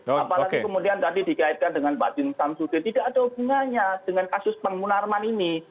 apalagi kemudian tadi dikaitkan dengan pak din samsudin tidak ada hubungannya dengan kasus pengmunarman ini